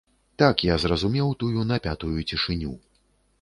Так я зразумеў тую напятую цішыню.